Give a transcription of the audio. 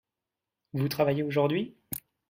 Vous travaillez aujourd'hui ?